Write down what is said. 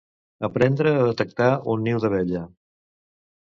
Aprendre a detectar un niu d'abella.